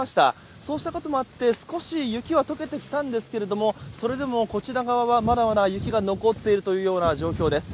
そうしたこともあって少し雪は解けてきましたがそれでもこちら側はまだまだ雪が残っている状況です。